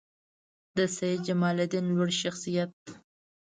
د سیدجمالدین لوړ شخصیت